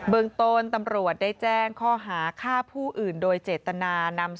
เมืองต้นตำรวจได้แจ้งข้อหาฆ่าผู้อื่นโดยเจตนานำ